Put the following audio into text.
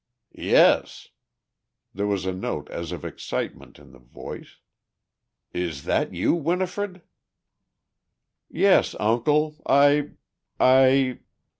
"Yes." There was a note as of excitement in the voice. "Is that you, Winifred?" "Yes, uncle. I ... I